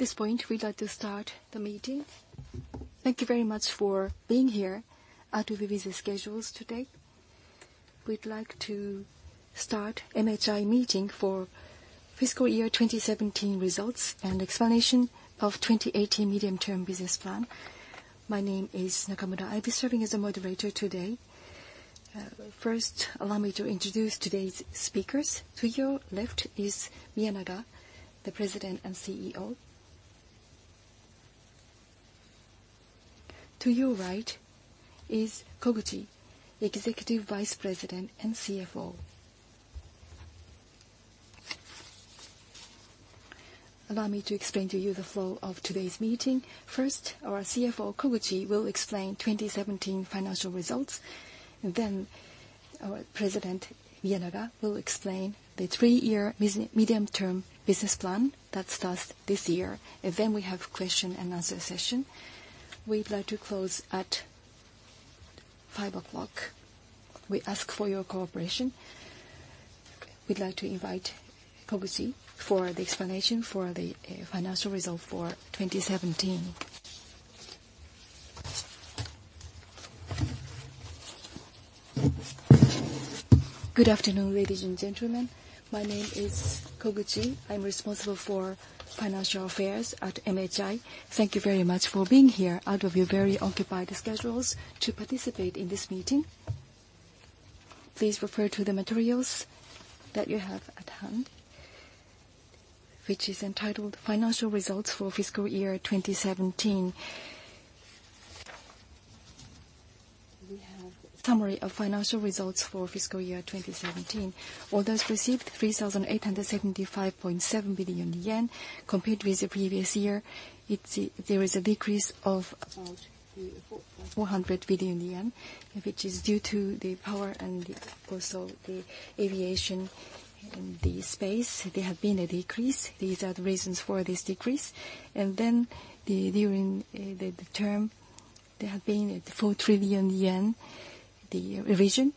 At this point, we'd like to start the meeting. Thank you very much for being here out of your busy schedules today. We'd like to start MHI meeting for fiscal year 2017 results and explanation of 2018 Medium-Term Business Plan. My name is Nakamura. I'll be serving as a moderator today. First, allow me to introduce today's speakers. To your left is Miyanaga, the President and CEO. To your right is Koguchi, Executive Vice President and CFO. Allow me to explain to you the flow of today's meeting. First, our CFO, Koguchi, will explain 2017 financial results. Our President, Miyanaga, will explain the three-year Medium-Term Business Plan that starts this year. We have question and answer session. We'd like to close at 5:00 P.M. We ask for your cooperation. We'd like to invite Koguchi for the explanation for the financial result for 2017. Good afternoon, ladies and gentlemen. My name is Koguchi. I'm responsible for financial affairs at MHI. Thank you very much for being here out of your very occupied schedules to participate in this meeting. Please refer to the materials that you have at hand, which is entitled Financial Results for Fiscal Year 2017. We have summary of financial results for fiscal year 2017. Orders received, 3,875.7 billion yen. Compared with the previous year, there is a decrease of about 400 billion yen, which is due to the Power Systems and also the Aircraft, Defense & Space. There have been a decrease. These are the reasons for this decrease. During the term, there have been a 4 trillion yen revision.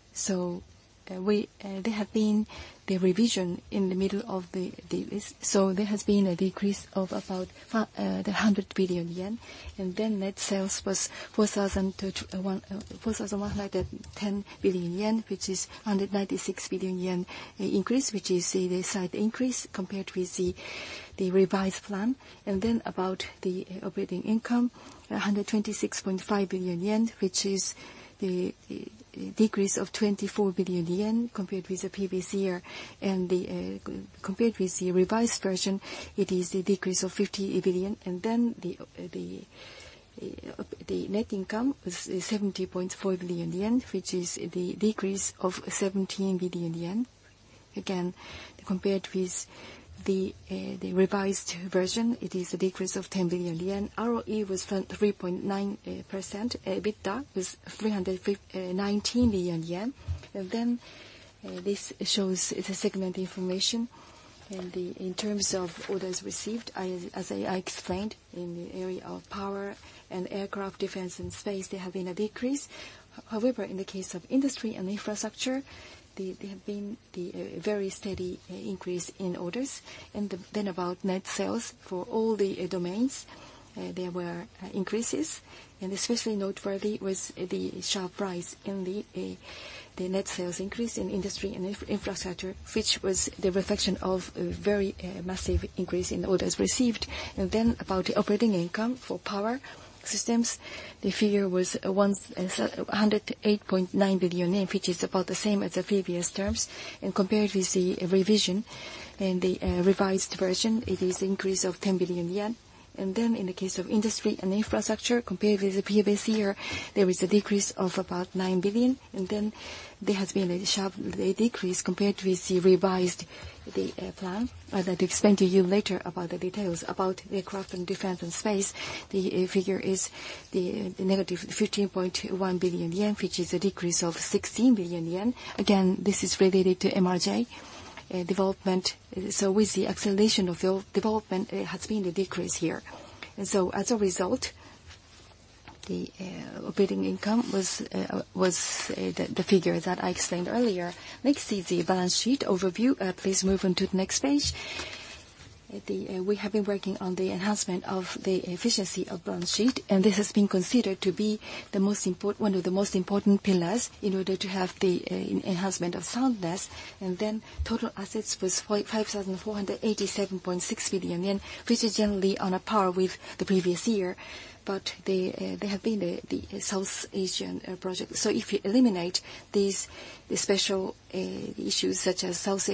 There have been the revision in the middle of the business. There has been a decrease of about 100 billion yen. Net sales was 4,110 billion yen, which is 196 billion yen increase, which is a slight increase compared with the revised plan. About the operating income, 126.5 billion yen, which is the decrease of 24 billion yen compared with the previous year. Compared with the revised version, it is the decrease of 50 billion. The net income was JPY 70.4 billion, which is the decrease of 17 billion yen. Again, compared with the revised version, it is a decrease of 10 billion yen. ROE was 3.9%. EBITDA was 319 billion yen. This shows the segment information. In terms of orders received, as I explained, in the area of Power Systems and Aircraft, Defense & Space, there have been a decrease. However, in the case of Industry & Infrastructure, there have been a very steady increase in orders. About net sales for all the domains, there were increases, and especially noteworthy was the sharp rise in the net sales increase in Industry & Infrastructure, which was the reflection of a very massive increase in orders received. About the operating income for Power Systems, the figure was 108.9 billion yen, which is about the same as the previous terms. Compared with the revision and the revised version, it is increase of 10 billion yen. In the case of Industry & Infrastructure, compared with the previous year, there is a decrease of about 9 billion. There has been a sharp decrease compared with the revised plan, and I'll explain to you later about the details. About the Aircraft, Defense & Space, the figure is the negative 15.1 billion yen, which is a decrease of 16 billion yen. This is related to MRJ development. With the acceleration of development, there has been a decrease here. As a result, the operating income was the figure that I explained earlier. Next is the balance sheet overview. Please move on to the next page. We have been working on the enhancement of the efficiency of balance sheet, this has been considered to be one of the most important pillars in order to have the enhancement of soundness. Total assets was 5,487.6 billion yen, which is generally on par with the previous year. There have been the South African project. If you eliminate these special issues such as South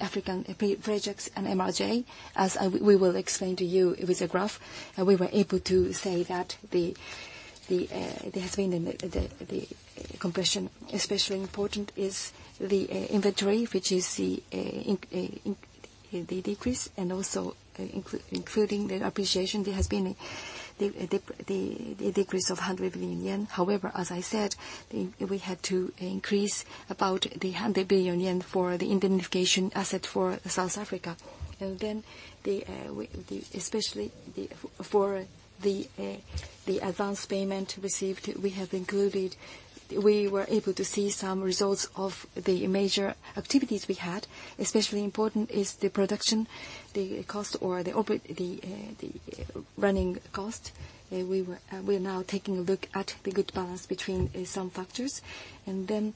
African projects and MRJ, as we will explain to you with a graph, we were able to say that there has been the compression. Especially important is the inventory, which you see the decrease, and also including the appreciation, there has been the decrease of 100 billion yen. However, as I said, we had to increase about 100 billion yen for the indemnification asset for South Africa. For the advanced payment received, we were able to see some results of the major activities we had. Especially important is the production, the cost or the running cost. We are now taking a look at the good balance between some factors. The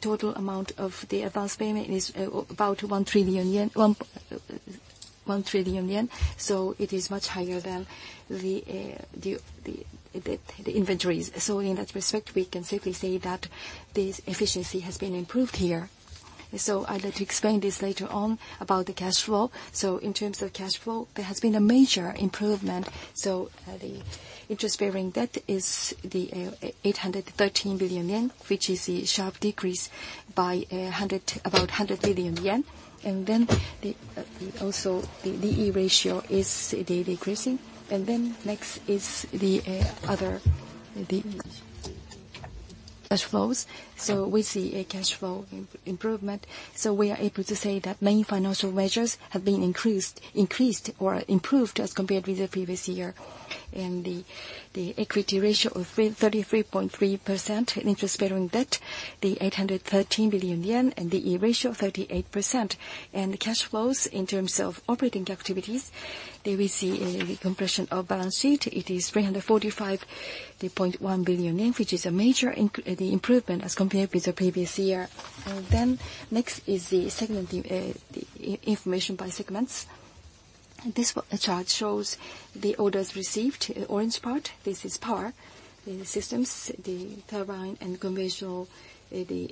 total amount of the advanced payment is about 1 trillion yen. It is much higher than the inventories. In that respect, we can safely say that the efficiency has been improved here. I'd like to explain this later on about the cash flow. In terms of cash flow, there has been a major improvement. The interest-bearing debt is the 813 billion yen, which is a sharp decrease by about 100 billion yen. Also, the D/E ratio is decreasing. Next is the other cash flows. We see a cash flow improvement. We are able to say that many financial measures have been increased or improved as compared with the previous year. In the equity ratio of 33.3%, interest-bearing debt the 813 billion yen, and D/E ratio 38%. The cash flows in terms of operating activities, there we see a decompression of balance sheet. It is 345.1 billion yen, which is a major improvement as compared with the previous year. Next is the information by segments. This chart shows the orders received. Orange part, this is Power Systems, the turbine and conventional, the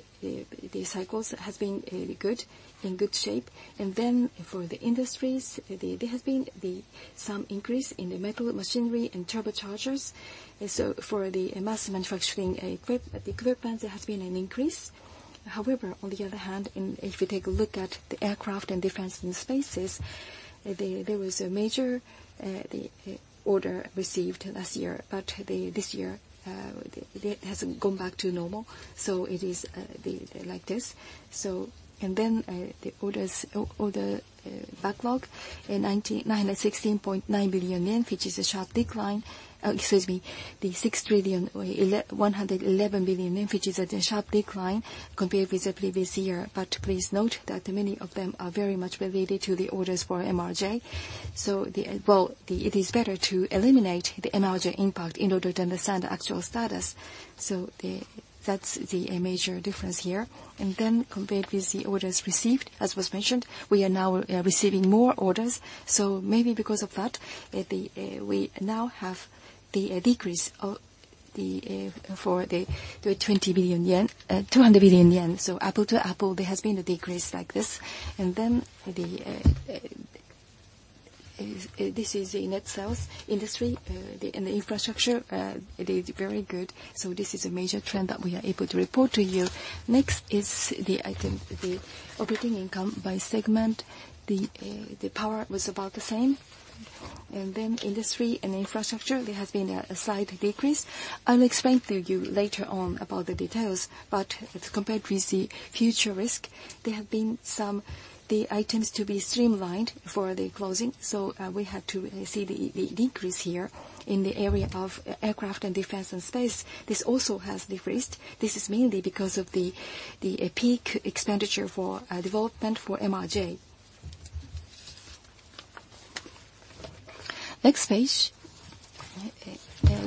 cycles has been in good shape. For the industries, there has been some increase in the metals machinery, and turbochargers. For the mass manufacturing equipment, there has been an increase. However, on the other hand, if you take a look at the Aircraft, Defense & Space, there was a major order received last year. This year, it has gone back to normal, so it is like this. The orders backlog, 16.9 billion yen, which is a sharp decline. Excuse me. The 6 trillion 111 billion, which is a sharp decline compared with the previous year. Please note that many of them are very much related to the orders for MRJ. It is better to eliminate the MRJ impact in order to understand the actual status. That's the major difference here. Compared with the orders received, as was mentioned, we are now receiving more orders. Maybe because of that, we now have the decrease for 200 billion yen. Apple to apple, there has been a decrease like this. This is net sales, Industry & Infrastructure. It is very good. This is a major trend that we are able to report to you. Next is the item, the operating income by segment. The power was about the same. Industry & Infrastructure, there has been a slight decrease. I'll explain to you later on about the details. Compared with the future risk, there have been some items to be streamlined for the closing. We had to see the decrease here. In the area of Aircraft, Defense & Space, this also has decreased. This is mainly because of the peak expenditure for development for MRJ. Next page.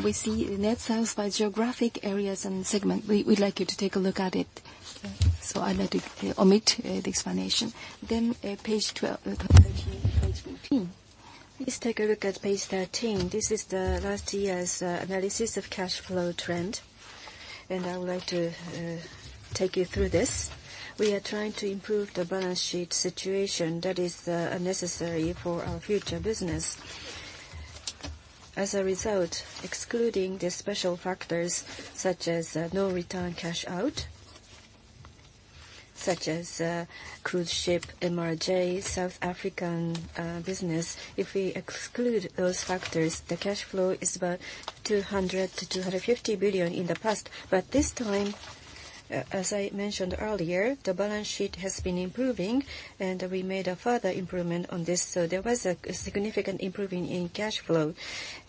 We see net sales by geographic areas and segment. We'd like you to take a look at it, I'd like to omit the explanation. Page 13. Let's take a look at page 13. This is the last year's analysis of cash flow trend, and I would like to take you through this. We are trying to improve the balance sheet situation that is necessary for our future business. As a result, excluding the special factors such as no return cash out, such as cruise ship, MRJ, South African business. If we exclude those factors, the cash flow is about 200 billion-250 billion in the past. This time, as I mentioned earlier, the balance sheet has been improving, and we made a further improvement on this. There was a significant improving in cash flow.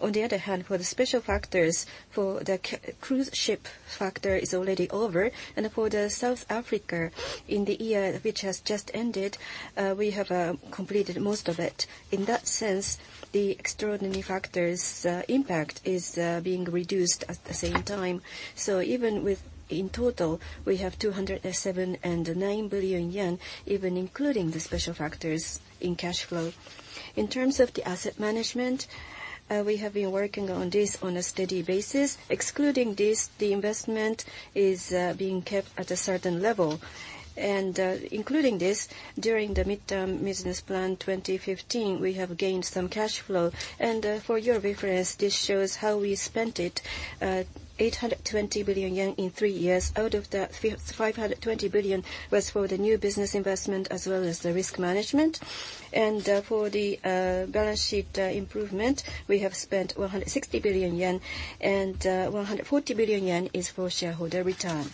On the other hand, for the special factors, for the cruise ship factor is already over. For the South Africa in the year which has just ended, we have completed most of it. In that sense, the extraordinary factors impact is being reduced at the same time. Even with in total, we have 207.9 billion yen, even including the special factors in cash flow. In terms of the asset management, we have been working on this on a steady basis. Excluding this, the investment is being kept at a certain level. Including this, during the 2015 Medium-Term Business Plan, we have gained some cash flow. For your reference, this shows how we spent it, 820 billion yen in three years. Out of that, 520 billion was for the new business investment as well as the risk management. For the balance sheet improvement, we have spent 160 billion yen, and 140 billion yen is for shareholder return.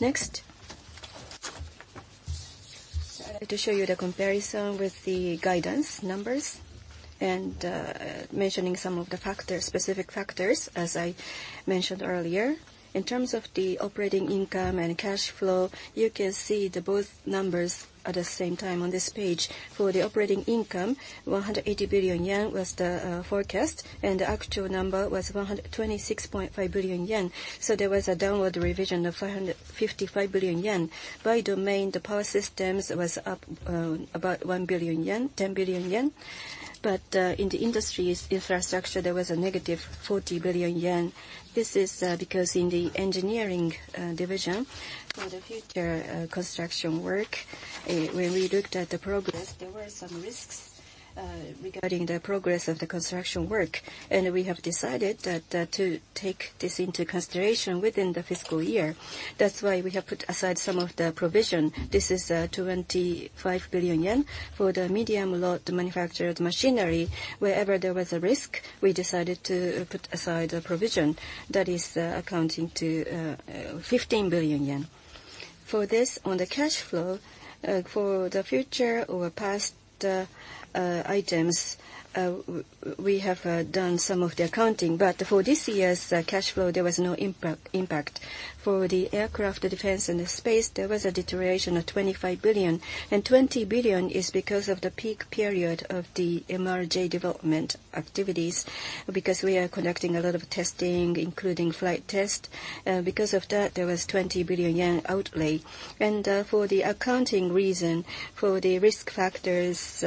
Next. I'd like to show you the comparison with the guidance numbers and mentioning some of the specific factors, as I mentioned earlier. In terms of the operating income and cash flow, you can see both numbers at the same time on this page. For the operating income, 180 billion yen was the forecast, and the actual number was 126.5 billion yen. There was a downward revision of 55 billion yen. By domain, the Power Systems was up about 1 billion yen, 10 billion yen. In the Industry & Infrastructure, there was a negative 40 billion yen. This is because in the engineering division, for the future construction work, when we looked at the progress, there were some risks regarding the progress of the construction work. We have decided to take this into consideration within the fiscal year. That's why we have put aside some of the provision. This is 25 billion yen. For the medium-large manufactured machinery, wherever there was a risk, we decided to put aside a provision that is accounting to 15 billion yen. For this, on the cash flow, for the future or past items, we have done some of the accounting. For this year's cash flow, there was no impact. For the Aircraft, Defense & Space, there was a deterioration of 25 billion. 20 billion is because of the peak period of the MRJ development activities, because we are conducting a lot of testing, including flight test. Because of that, there was 20 billion yen outlay. For the accounting reason, for the risk factors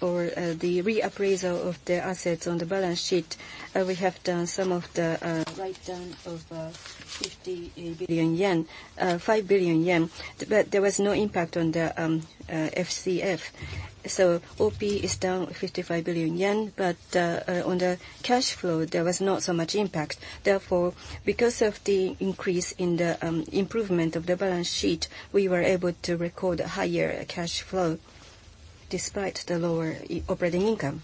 or the reappraisal of the assets on the balance sheet, we have done some of the write-down of 5 billion yen. There was no impact on the FCF. OP is down 55 billion yen. On the cash flow, there was not so much impact. Therefore, because of the increase in the improvement of the balance sheet, we were able to record a higher cash flow despite the lower operating income.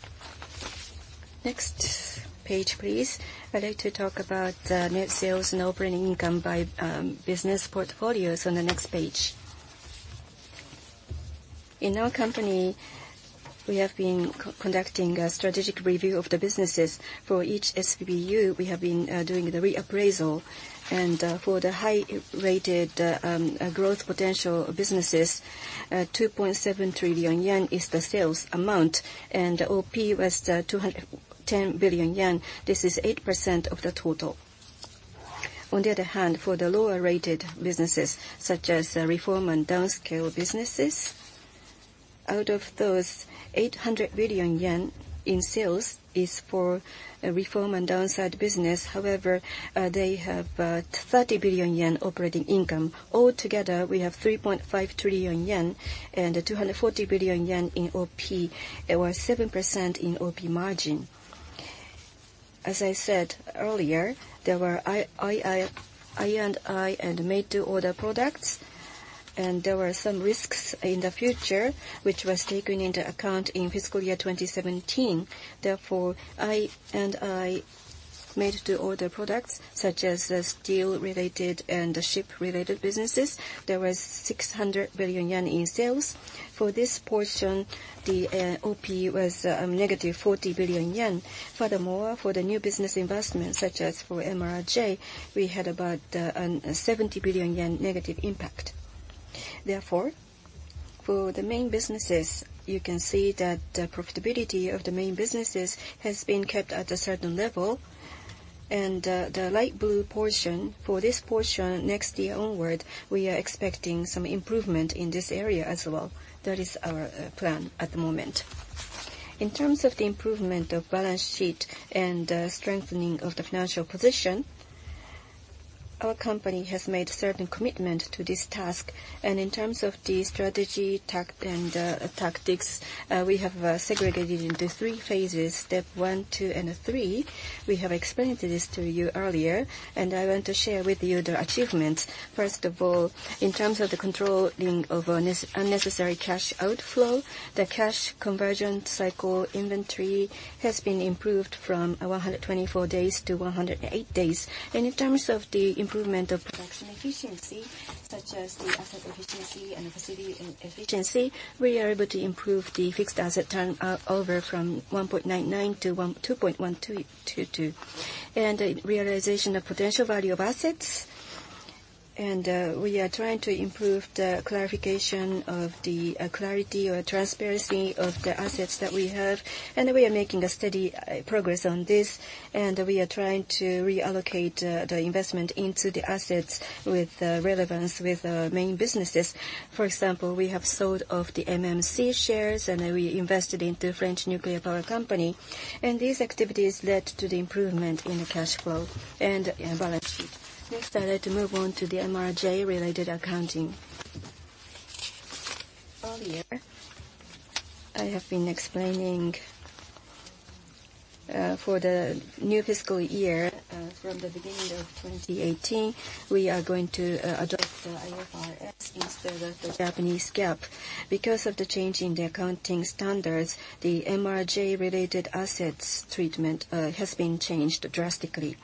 Next page, please. I'd like to talk about net sales and operating income by business portfolios on the next page. In our company, we have been conducting a strategic review of the businesses. For each SBU, we have been doing the reappraisal. For the high-rated growth potential businesses, 2.7 trillion yen is the sales amount, and OP was 210 billion yen. This is 8% of the total. On the other hand, for the lower-rated businesses, such as reform and downscale businesses, out of those, 800 billion yen in sales is for reform and downscale business. However, they have 30 billion yen operating income. Altogether, we have 3.5 trillion yen and 240 billion yen in OP, or 7% in OP margin. As I said earlier, there were I&I and made-to-order products, and there were some risks in the future, which were taken into account in fiscal year 2017. I&I made-to-order products, such as the steel-related and ship-related businesses, there was 600 billion yen in sales. For this portion, the OP was a negative 40 billion yen. Furthermore, for the new business investments, such as for MRJ, we had about 70 billion yen negative impact. For the main businesses, you can see that the profitability of the main businesses has been kept at a certain level. The light blue portion, for this portion, next year onward, we are expecting some improvement in this area as well. That is our plan at the moment. In terms of the improvement of balance sheet and strengthening of the financial position, our company has made certain commitment to this task. In terms of the strategy and tactics, we have segregated into three phases, step 1, 2, and 3. We have explained this to you earlier, I want to share with you the achievements. First of all, in terms of the controlling of unnecessary cash outflow, the cash conversion cycle inventory has been improved from 124 days to 108 days. In terms of the improvement of production efficiency, such as the asset efficiency and facility efficiency, we are able to improve the fixed asset turnover from 1.99 to 2.122. Realization of potential value of assets, we are trying to improve the clarification of the clarity or transparency of the assets that we have. We are making a steady progress on this, we are trying to reallocate the investment into the assets with relevance with our main businesses. For example, we have sold off the MMC shares, we invested into a French nuclear power company. These activities led to the improvement in the cash flow and balance sheet. Next, I'd like to move on to the MRJ-related accounting. Earlier, I have been explaining for the new fiscal year, from the beginning of 2018, we are going to adopt the IFRS instead of the Japanese GAAP. Because of the change in the accounting standards, the MRJ-related assets treatment has been changed drastically.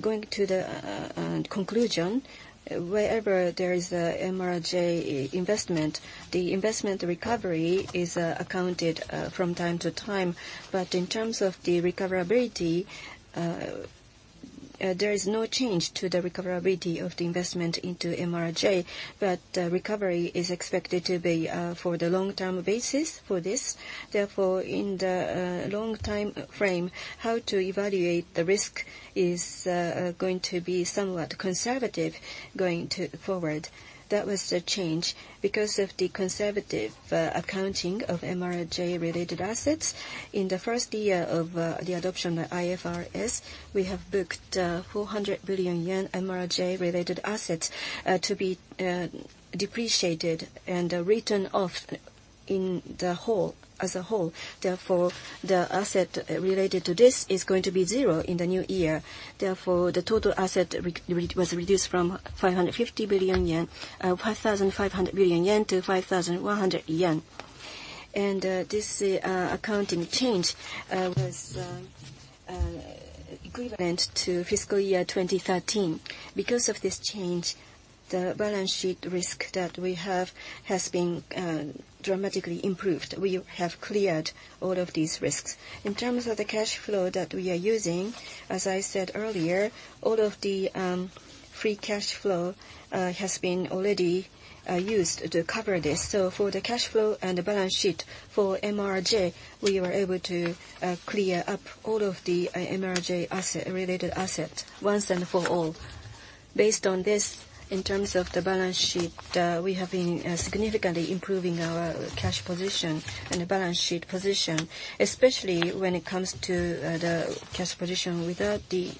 Going to the conclusion, wherever there is a MRJ investment, the investment recovery is accounted for from time to time. In terms of the recoverability, there is no change to the recoverability of the investment into MRJ. Recovery is expected to be for the long-term basis for this. In the long timeframe, how to evaluate the risk is going to be somewhat conservative going forward. That was the change. Of the conservative accounting of MRJ-related assets, in the first year of the adoption of IFRS, we have booked JPY 400 billion MRJ-related assets to be depreciated and written off as a whole. The asset related to this is going to be zero in the new year. The total asset was reduced from 5,500 billion yen to 5,100 yen. This accounting change was equivalent to FY 2013. Of this change, the balance sheet risk that we have has been dramatically improved. We have cleared all of these risks. In terms of the cash flow that we are using, as I said earlier, all of the free cash flow has been already used to cover this. For the cash flow and the balance sheet for MRJ, we were able to clear up all of the MRJ-related assets once and for all. Based on this, in terms of the balance sheet, we have been significantly improving our cash position and the balance sheet position, especially when it comes to the cash position without the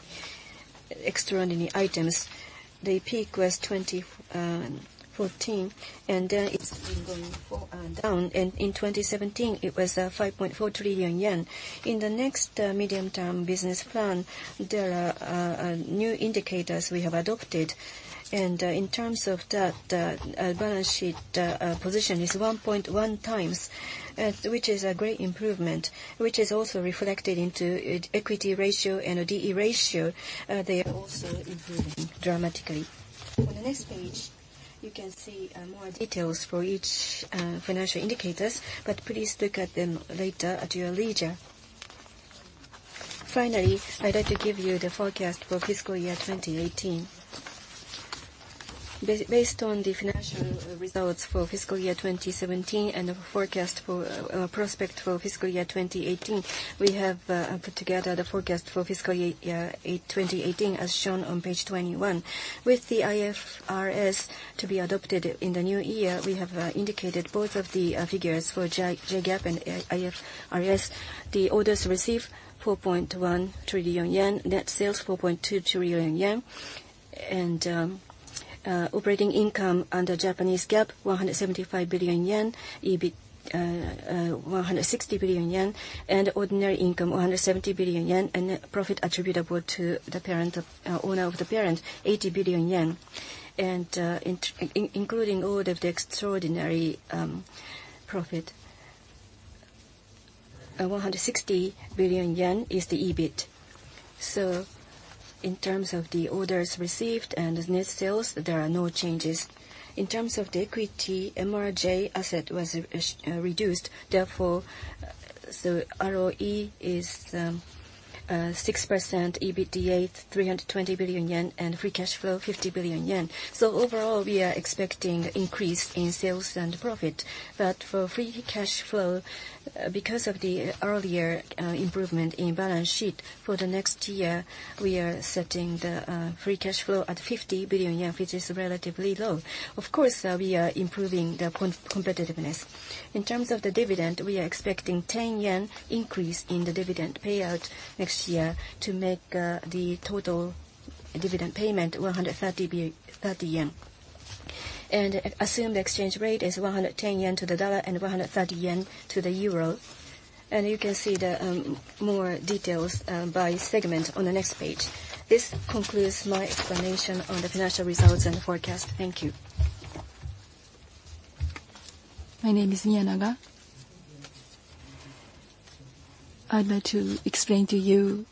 extraordinary items. The peak was 2014, then it's been going down, in 2017, it was 5.4 trillion yen. In the next medium-term business plan, there are new indicators we have adopted. In terms of that, the balance sheet position is 1.1 times, which is a great improvement, which is also reflected into equity ratio and D/E ratio. They are also improving dramatically. On the next page, you can see more details for each financial indicators, please look at them later at your leisure. Finally, I'd like to give you the forecast for fiscal year 2018. Based on the financial results for fiscal year 2017 and the prospect for fiscal year 2018, we have put together the forecast for fiscal year 2018, as shown on page four. With the IFRS to be adopted in the new year, we have indicated both of the figures for JGAAP and IFRS. The orders received, 4.1 trillion yen. Net sales, 4.2 trillion yen. Operating income under Japanese GAAP, 175 billion yen. EBIT, 160 billion yen. Ordinary income, 170 billion yen. Profit attributable to the owner of the parent, 80 billion yen. Including all of the extraordinary profit, 160 billion yen is the EBIT. In terms of the orders received and net sales, there are no changes. In terms of the equity, MRJ asset was reduced. Therefore, the ROE is 6%, EBITDA 320 billion yen, and FCF 50 billion yen. Overall, we are expecting increase in sales and profit. For free cash flow, because of the earlier improvement in balance sheet, for the next year, we are setting the free cash flow at 50 billion yen, which is relatively low. Of course, we are improving the competitiveness. In terms of the dividend, we are expecting 10 yen increase in the dividend payout next year to make the total dividend payment 130 yen. Assume the exchange rate is 110 yen to the $ and JPY 130 to the EUR. You can see more details by segment on the next page. This concludes my explanation on the financial results and forecast. Thank you. My name is Miyanaga. I'd like to explain to you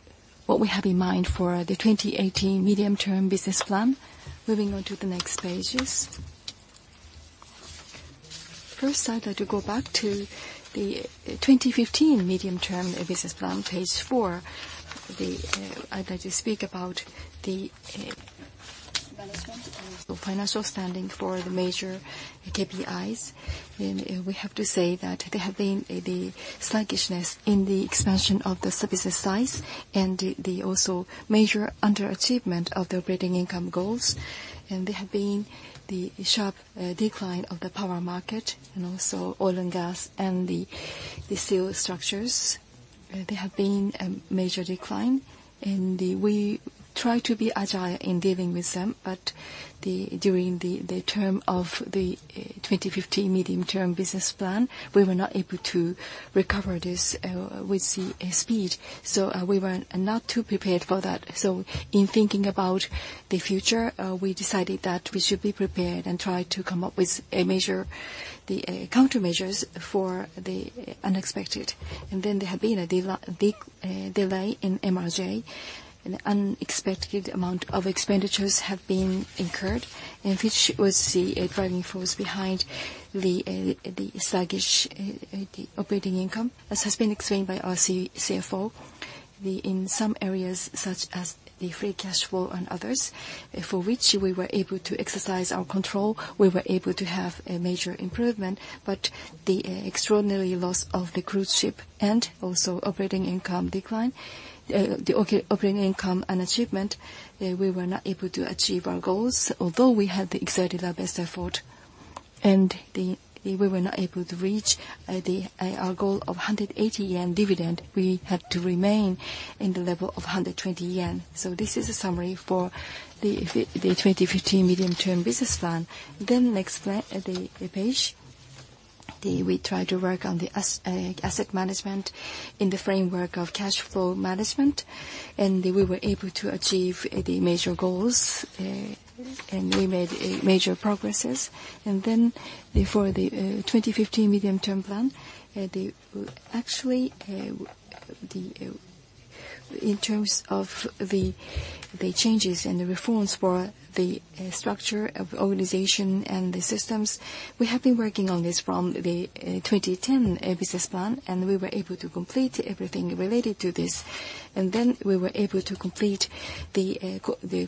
what we have in mind for the 2018 Medium-Term Business Plan. Moving on to the next pages. First, I'd like to go back to the 2015 Medium-Term Business Plan, page four. I'd like to speak about the management and the financial standing for the major KPIs. We have to say that there has been sluggishness in the expansion of the business size, also major underachievement of the operating income goals. There has been the sharp decline of the power market and also oil and gas and the steel structures. There has been a major decline, and we try to be agile in dealing with them. During the term of the 2015 Medium-Term Business Plan, we were not able to recover this with speed. We were not too prepared for that. In thinking about the future, we decided that we should be prepared and try to come up with countermeasures for the unexpected. There has been a big delay in MRJ, and unexpected amount of expenditures have been incurred, which was the driving force behind the sluggish operating income, as has been explained by our CFO. In some areas, such as the free cash flow and others, for which we were able to exercise our control, we were able to have a major improvement. The extraordinary loss of the cruise ship and also operating income decline, the operating income and achievement, we were not able to achieve our goals, although we had exerted our best effort. We were not able to reach our goal of 180 yen dividend. We had to remain in the level of 120 yen. This is a summary for the 2015 Medium-Term Business Plan. Next page. We try to work on the asset management in the framework of cash flow management, we were able to achieve the major goals, and we made major progresses. For the 2015 Medium-Term Business Plan, actually, in terms of the changes and the reforms for the structure of organization and the systems, we have been working on this from the 2010 Business Plan, and we were able to complete everything related to this. We were able to complete the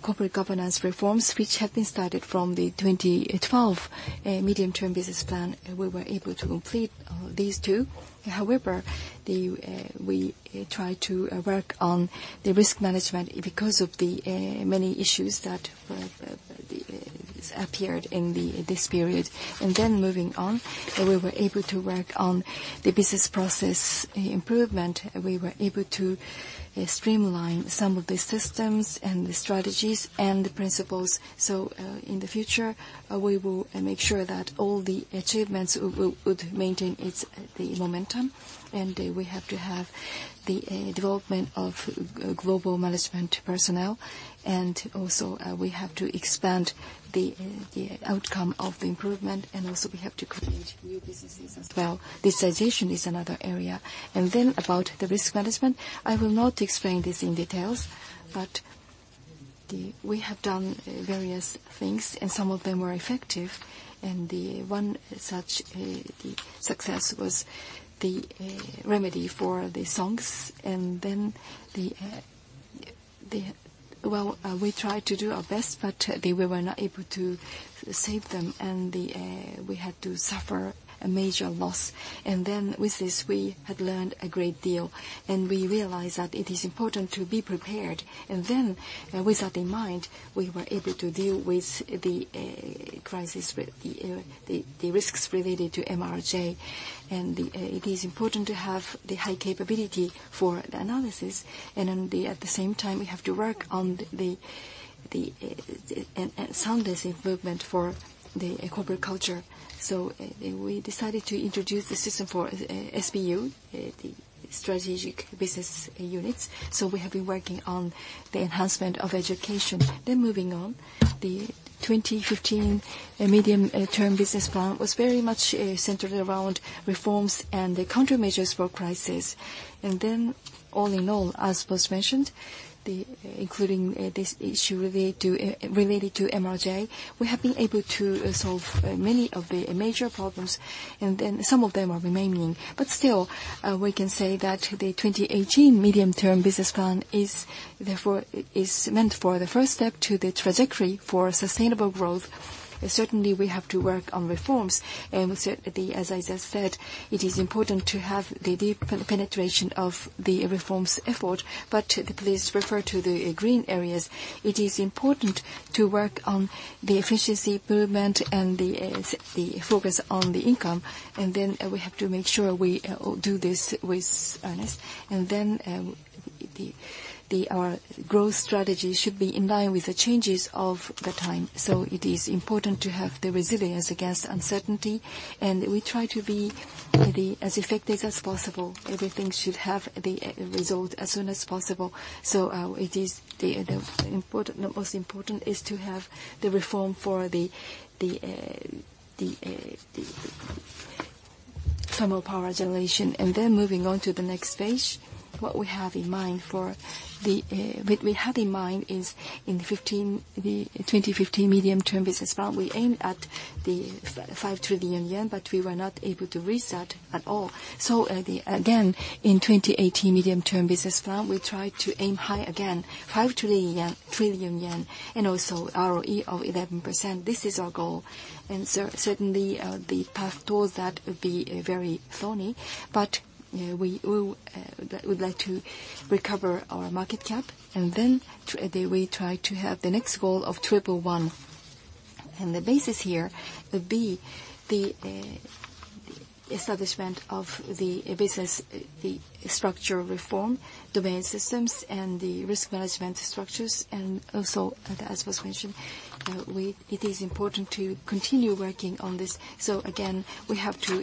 corporate governance reforms, which had been started from the 2012 Medium-Term Business Plan. We were able to complete these two. However, we try to work on the risk management because of the many issues that appeared in this period. Moving on, we were able to work on the business process improvement. We were able to streamline some of the systems and the strategies and the principles. In the future, we will make sure that all the achievements would maintain the momentum. We have to have the development of global management personnel. We have to expand the outcome of the improvement. We have to create new businesses as well. Digitalization is another area. About the risk management, I will not explain this in details, but we have done various things, and some of them were effective. The one such success was the remedy for the SONGS. Well, we tried to do our best, but we were not able to save them, and we had to suffer a major loss. With this, we had learned a great deal, and we realized that it is important to be prepared. With that in mind, we were able to deal with the crisis, the risks related to MRJ. It is important to have the high capability for the analysis. At the same time, we have to work on the soundness improvement for the corporate culture. We decided to introduce the system for SBU, the strategic business units. We have been working on the enhancement of education. Moving on, the 2015 Medium-Term Business Plan was very much centered around reforms and the countermeasures for crisis. All in all, as was mentioned, including this issue related to MRJ, we have been able to solve many of the major problems, and then some of them are remaining. Still, we can say that the 2018 Medium-Term Business Plan is meant for the first step to the trajectory for sustainable growth. Certainly, we have to work on reforms. As I just said, it is important to have the deep penetration of the reforms effort. Please refer to the green areas. It is important to work on the efficiency improvement and the focus on the income. We have to make sure we do this with earnest. Our growth strategy should be in line with the changes of the time. It is important to have the resilience against uncertainty, and we try to be as effective as possible. Everything should have the result as soon as possible. The most important is to have the reform for the thermal power generation. Moving on to the next page, what we have in mind is in the 2015 Medium-Term Business Plan, we aimed at 5 trillion yen, but we were not able to reach that at all. Again, in 2018 Medium-Term Business Plan, we try to aim high again, 5 trillion yen, and also ROE of 11%. This is our goal. Certainly, the path towards that would be very thorny. We would like to recover our market cap. We try to have the next goal of TripleOne. The basis here would be the establishment of the business, the structural reform, domain systems, and the risk management structures. Also, as was mentioned, it is important to continue working on this. Again, we have to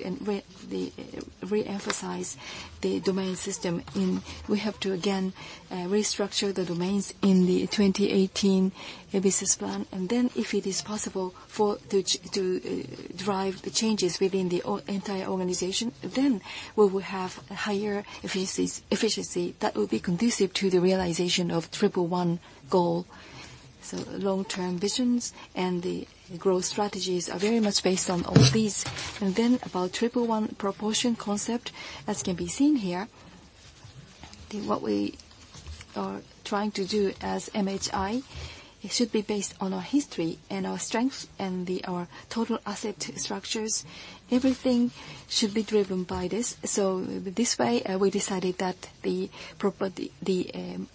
reemphasize the domain system, and we have to, again, restructure the domains in the 2018 Business Plan. If it is possible to drive the changes within the entire organization, we will have higher efficiency that will be conducive to the realization of TripleOne goal. Long-term visions and the growth strategies are very much based on all these. About TripleOne proportion concept, as can be seen here, what we are trying to do as MHI, it should be based on our history and our strengths and our total asset structures. Everything should be driven by this. This way, we decided that the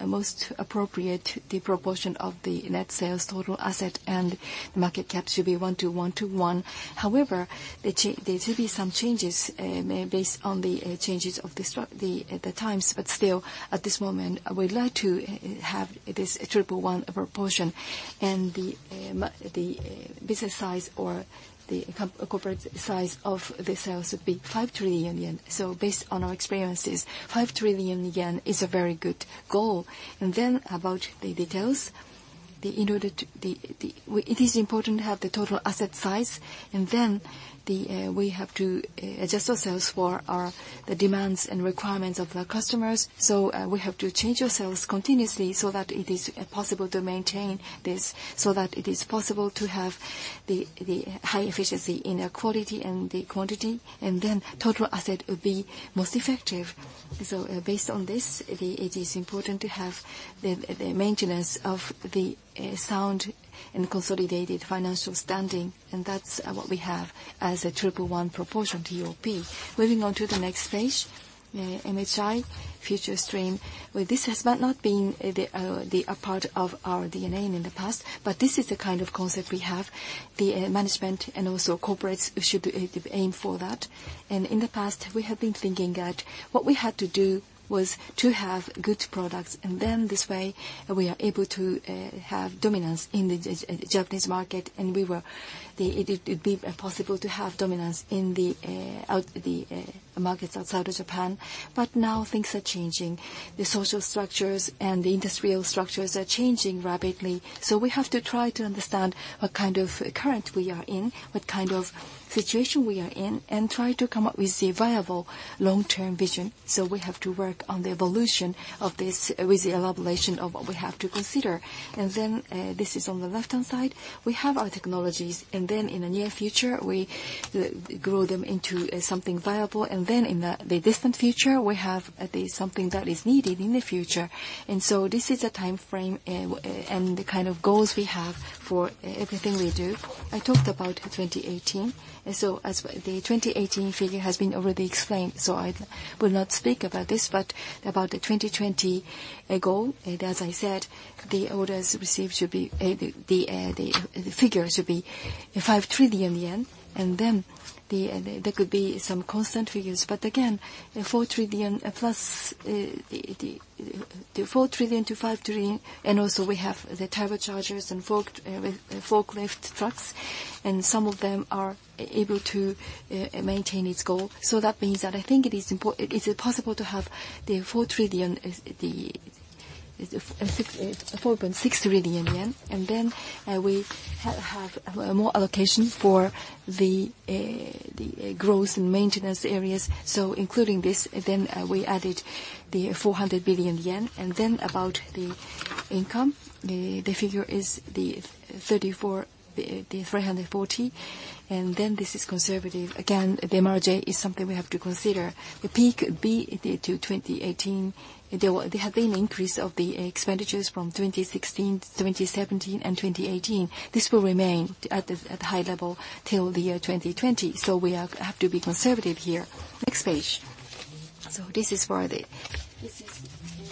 most appropriate proportion of the net sales, total asset, and market cap should be 1 to 1 to 1. However, there will be some changes based on the changes of the times, but still, at this moment, we'd like to have this TripleOne proportion. The business size or the corporate size of the sales would be 5 trillion yen. Based on our experiences, 5 trillion yen is a very good goal. About the details. It is important to have the total asset size. We have to adjust ourselves for the demands and requirements of our customers. We have to change ourselves continuously so that it is possible to maintain this, so that it is possible to have the high efficiency in quality and the quantity. Total asset will be most effective. Based on this, it is important to have the maintenance of the sound and consolidated financial standing, and that's what we have as a TripleOne proportion, TOP. Moving on to the next page, MHI FUTURE STREAM. Well, this has not been a part of our DNA in the past, but this is the kind of concept we have. The management and also corporates should aim for that. In the past, we have been thinking that what we had to do was to have good products, this way, we are able to have dominance in the Japanese market. It would be possible to have dominance in the markets outside of Japan. Now things are changing. The social structures and the industrial structures are changing rapidly. We have to try to understand what kind of current we are in, what kind of situation we are in, and try to come up with a viable long-term vision. We have to work on the evolution of this with the elaboration of what we have to consider. This is on the left-hand side. We have our technologies, in the near future, we grow them into something viable, in the distant future, we have something that is needed in the future. This is the timeframe and the kind of goals we have for everything we do. I talked about 2018. As the 2018 figure has been already explained, I will not speak about this, about the 2020 goal, as I said, the orders received should be, the figure should be 5 trillion yen. There could be some constant figures. Again, the 4 trillion-5 trillion, also we have the turbochargers and forklift trucks, some of them are able to maintain its goal. That means that I think it is possible to have the 4.6 trillion. We have more allocation for the growth and maintenance areas. Including this, then we added the 400 billion yen. About the income, the figure is 340. This is conservative. Again, the margin is something we have to consider. The peak will be to 2018. There have been increase of the expenditures from 2016 to 2017 and 2018. This will remain at high level till the year 2020. We have to be conservative here. Next page. This is for the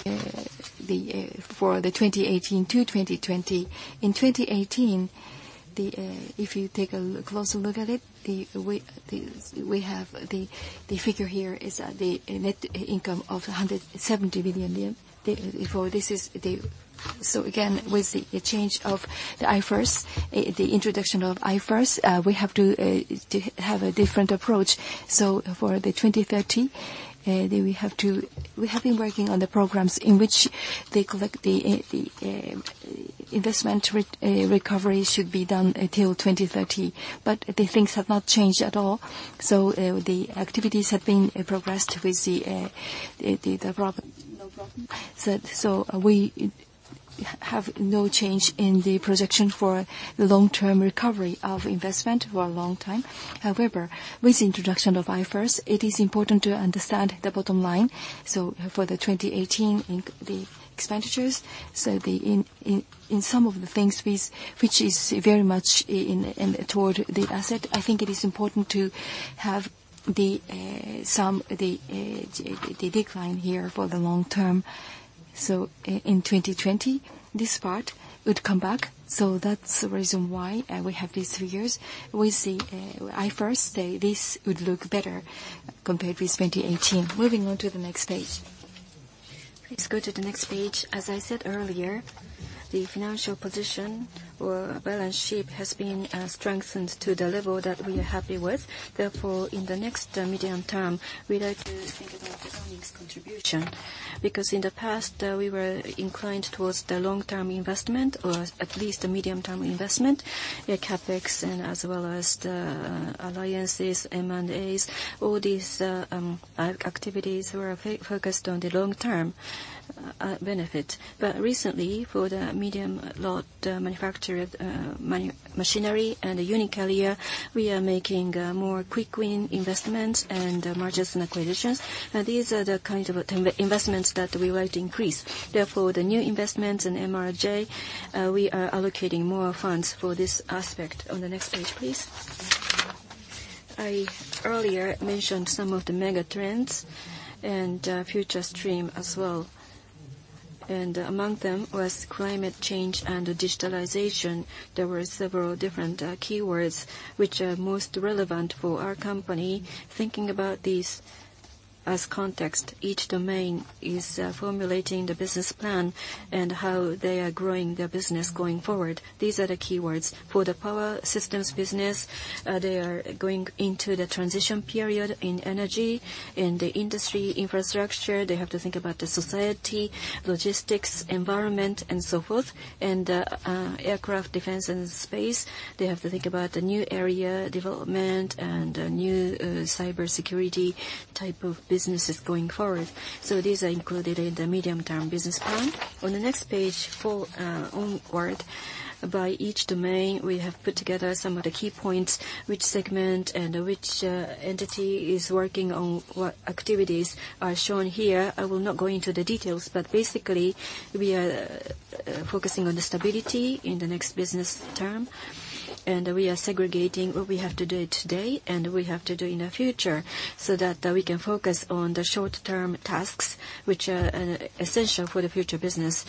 2018 to 2020. In 2018, if you take a closer look at it, we have the figure here is the net income of 170 billion yen. Again, with the change of the IFRS, the introduction of IFRS, we have to have a different approach. For the 2030, we have been working on the programs in which they collect the investment recovery should be done until 2030. The things have not changed at all. No problem. We have no change in the projection for the long-term recovery of investment for a long time. However, with the introduction of IFRS, it is important to understand the bottom line. For the 2018, the expenditures. In some of the things which is very much toward the asset, I think it is important to have the decline here for the long term. In 2020, this part would come back. That's the reason why we have these figures. With the IFRS, this would look better compared with 2018. Moving on to the next page. Please go to the next page. As I said earlier, the financial position or balance sheet has been strengthened to the level that we are happy with. Therefore, in the next medium term, we like to think about the earnings contribution, because in the past, we were inclined towards the long-term investment or at least a medium-term investment, the CapEx and as well as the alliances, M&A. All these activities were focused on the long term. -benefit. Recently, for the medium lot machinery and the UniCarriers, we are making more quick win investments and mergers and acquisitions. These are the kind of investments that we would like to increase. Therefore, the new investments in MRJ, we are allocating more funds for this aspect. On the next page, please. I earlier mentioned some of the megatrends and Future Stream as well. Among them was climate change and digitalization. There were several different keywords which are most relevant for our company. Thinking about these as context, each domain is formulating the business plan and how they are growing their business going forward. These are the keywords. For the Power Systems business, they are going into the transition period in energy. In the Industry & Infrastructure, they have to think about the society, logistics, environment, and so forth. Aircraft, Defense & Space, they have to think about the new area development and new cybersecurity type of businesses going forward. These are included in the Medium-Term Business Plan. On the next page, 4 onward, by each domain, we have put together some of the key points, which segment and which entity is working on what activities are shown here. I will not go into the details, but basically, we are focusing on the stability in the next business term. We are segregating what we have to do today and we have to do in the future so that we can focus on the short-term tasks, which are essential for the future business.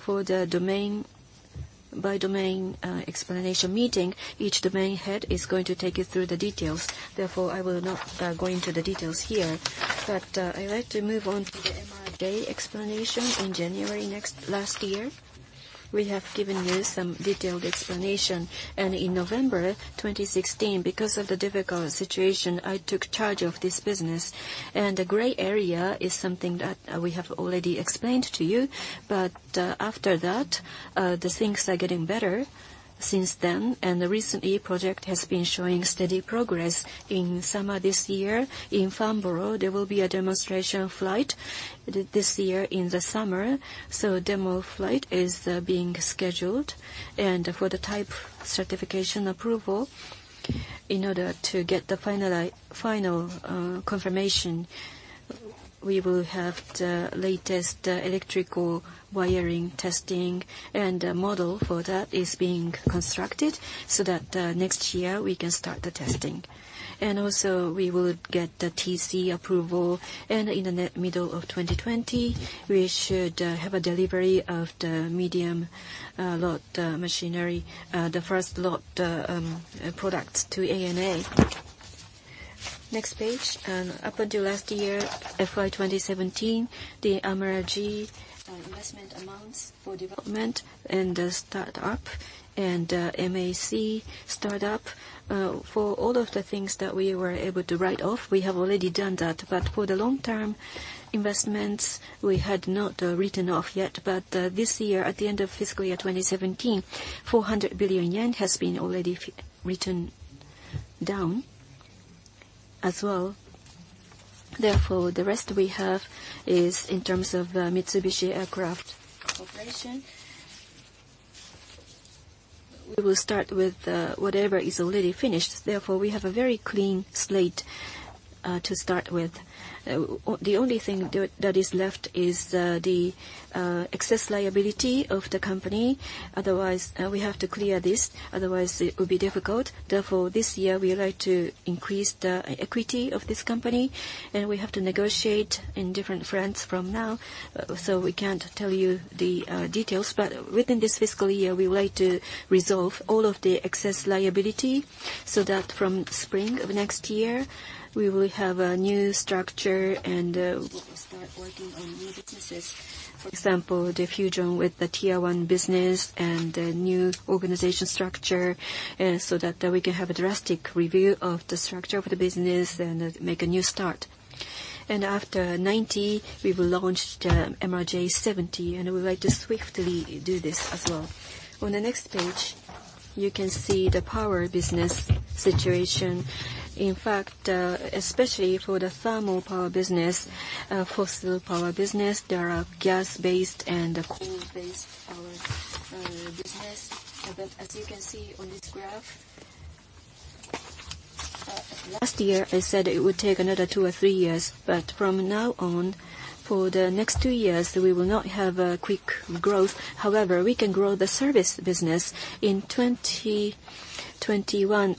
For the by domain explanation meeting, each domain head is going to take you through the details. I will not go into the details here. I'd like to move on to the MRJ explanation. In January last year, we have given you some detailed explanation. In November 2016, because of the difficult situation, I took charge of this business. The gray area is something that we have already explained to you. After that, things are getting better since then, and the recent e-project has been showing steady progress. In summer this year, in Farnborough, there will be a demonstration flight this year in the summer. A demo flight is being scheduled. For the type certification approval, in order to get the final confirmation, we will have the latest electrical wiring testing, and a model for that is being constructed so that next year we can start the testing. Also, we will get the TC approval, and in the middle of 2020, we should have a delivery of the medium lot machinery, the first lot product to ANA. Next page. Up until last year, FY 2017, the MRJ investment amounts for development and startup, and MAC startup. For all of the things that we were able to write off, we have already done that. For the long-term investments, we had not written off yet. This year, at the end of fiscal year 2017, 400 billion yen has been already written down as well. Therefore, the rest we have is in terms of Mitsubishi Aircraft Corporation. We will start with whatever is already finished. Therefore, we have a very clean slate to start with. The only thing that is left is the excess liability of the company. We have to clear this, otherwise it will be difficult. This year, we would like to increase the equity of this company, and we have to negotiate in different fronts from now, so we can't tell you the details. But within this fiscal year, we would like to resolve all of the excess liability so that from spring of next year, we will have a new structure and we will start working on new businesses. For example, the fusion with the Tier 1 business and the new organization structure, so that we can have a drastic review of the structure of the business and make a new start. After the MRJ90, we will launch the MRJ70, and we would like to swiftly do this as well. On the next page, you can see the power business situation. In fact, especially for the thermal power business, fossil power business, there are gas-based and coal-based power business. As you can see on this graph, last year, I said it would take another two or three years, but from now on, for the next two years, we will not have a quick growth. We can grow the service business. In 2021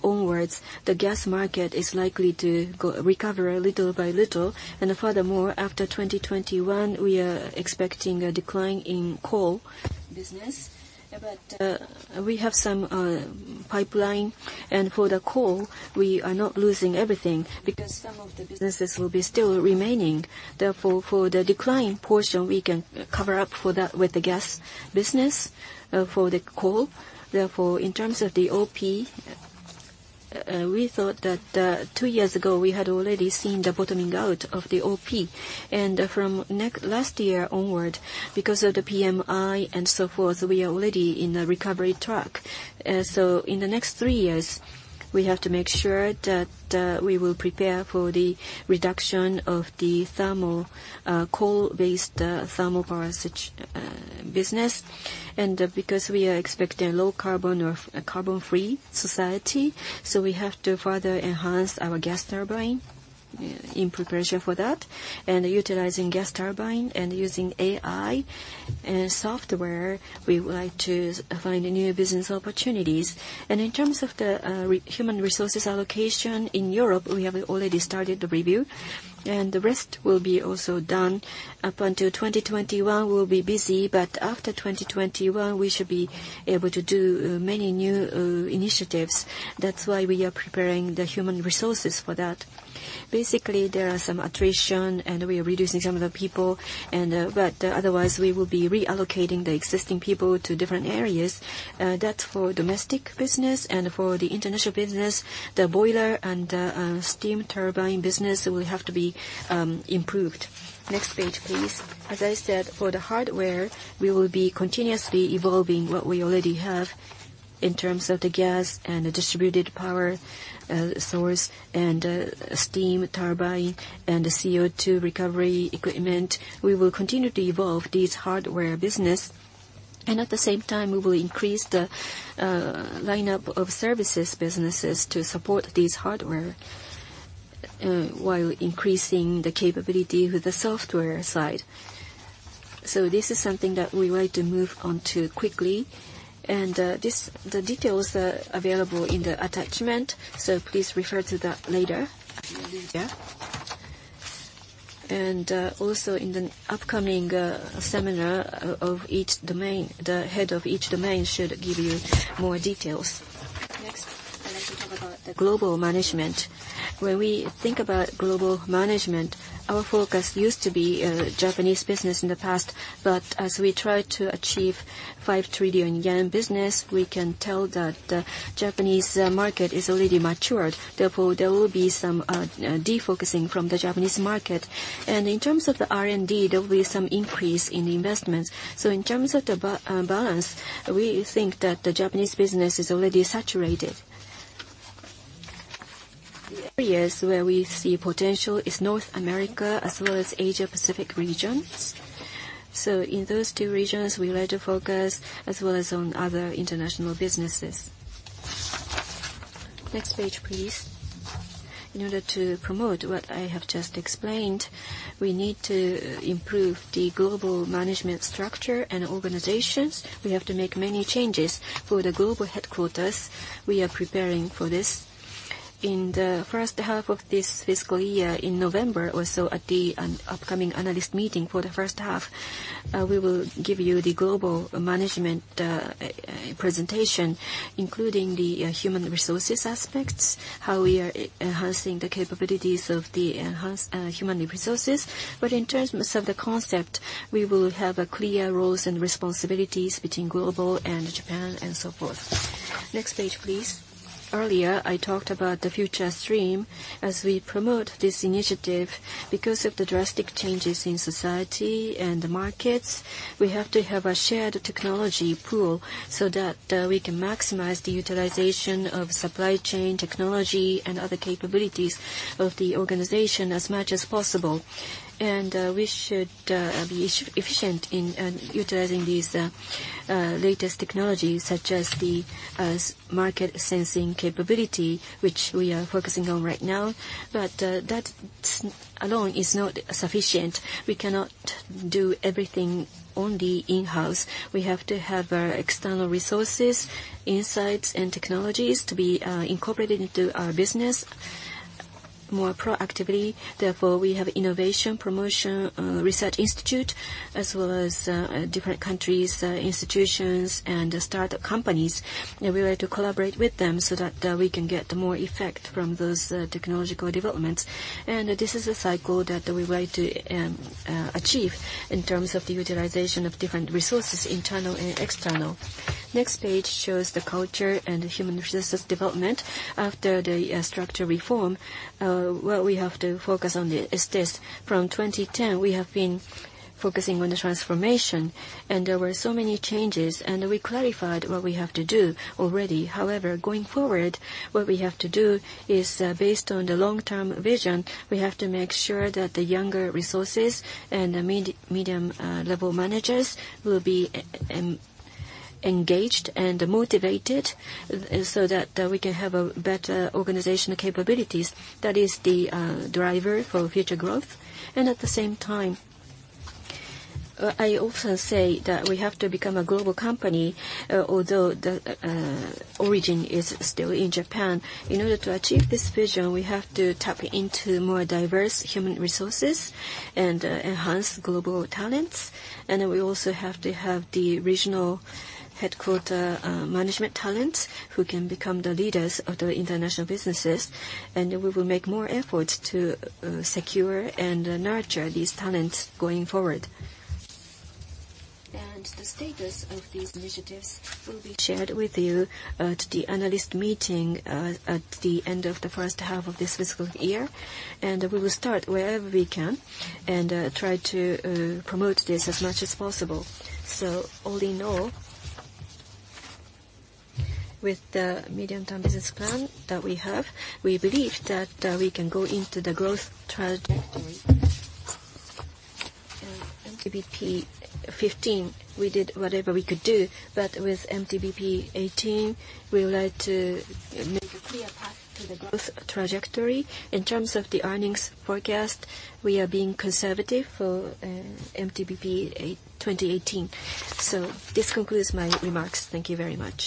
onwards, the gas market is likely to recover little by little. Furthermore, after 2021, we are expecting a decline in coal business. We have some pipeline, and for the coal, we are not losing everything, because some of the businesses will be still remaining. For the decline portion, we can cover up for that with the gas business for the coal. In terms of the OP, we thought that two years ago, we had already seen the bottoming out of the OP. From last year onward, because of the PMI and so forth, we are already in the recovery track. In the next three years, we have to make sure that we will prepare for the reduction of the coal-based thermal power business. Because we are expecting low carbon or a carbon-free society, we have to further enhance our gas turbine in preparation for that. Utilizing gas turbine and using AI and software, we would like to find new business opportunities. In terms of the human resources allocation in Europe, we have already started the review, and the rest will be also done. Up until 2021, we will be busy, but after 2021, we should be able to do many new initiatives. That's why we are preparing the human resources for that. Basically, there are some attrition, and we are reducing some of the people. Otherwise, we will be reallocating the existing people to different areas. That's for domestic business. For the international business, the boiler and steam turbine business will have to be improved. Next page, please. As I said, for the hardware, we will be continuously evolving what we already have in terms of the gas and the distributed power source and steam turbine and the CO2 recovery equipment. We will continue to evolve these hardware business. At the same time, we will increase the lineup of services businesses to support these hardware, while increasing the capability with the software side. This is something that we would like to move on to quickly. The details are available in the attachment, so please refer to that later. Also, in the upcoming seminar of each domain, the head of each domain should give you more details. Next, I would like to talk about the global management. When we think about global management, our focus used to be Japanese business in the past, but as we try to achieve 5 trillion yen business, we can tell that the Japanese market is already matured. There will be some de-focusing from the Japanese market. In terms of the R&D, there will be some increase in investments. In terms of the balance, we think that the Japanese business is already saturated. The areas where we see potential is North America as well as Asia-Pacific regions. In those two regions, we would like to focus, as well as on other international businesses. Next page, please. In order to promote what I have just explained, we need to improve the global management structure and organizations. We have to make many changes for the global headquarters. We are preparing for this. In the first half of this fiscal year, in November or so, at the upcoming analyst meeting for the first half, we will give you the global management presentation, including the human resources aspects, how we are enhancing the capabilities of the human resources. In terms of the concept, we will have clear roles and responsibilities between global and Japan and so forth. Next page, please. Earlier, I talked about the MHI FUTURE STREAM. As we promote this initiative, because of the drastic changes in society and the markets, we have to have a shared technology pool so that we can maximize the utilization of supply chain technology and other capabilities of the organization as much as possible. We should be efficient in utilizing these latest technologies, such as the market sensing capability, which we are focusing on right now. That alone is not sufficient. We cannot do everything only in-house. We have to have external resources, insights, and technologies to be incorporated into our business more proactively. Therefore, we have Research & Innovation Center, as well as different countries, institutions, and startup companies. We would like to collaborate with them so that we can get more effect from those technological developments. This is a cycle that we would like to achieve in terms of the utilization of different resources, internal and external. Next page shows the culture and human resources development. After the structure reform, what we have to focus on is this. From 2010, we have been focusing on the transformation, there were so many changes, and we clarified what we have to do already. However, going forward, what we have to do is, based on the long-term vision, we have to make sure that the younger resources and the medium-level managers will be engaged and motivated so that we can have better organizational capabilities. That is the driver for future growth. At the same time, I often say that we have to become a global company, although the origin is still in Japan. In order to achieve this vision, we have to tap into more diverse human resources and enhance global talents. We also have to have the regional headquarter management talent who can become the leaders of the international businesses. We will make more efforts to secure and nurture these talents going forward. The status of these initiatives will be shared with you at the analyst meeting at the end of the first half of this fiscal year. We will start wherever we can and try to promote this as much as possible. All in all, with the medium-term business plan that we have, we believe that we can go into the growth trajectory. In MTBP 2015, we did whatever we could do. With MTBP 2018, we would like to make a clear path to the growth trajectory. In terms of the earnings forecast, we are being conservative for MTBP 2018. This concludes my remarks. Thank you very much.